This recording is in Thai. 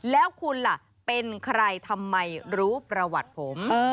แล้วคุณล่ะเป็นใครทำไมรู้ประวัติผม